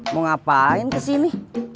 mau ngapain kesini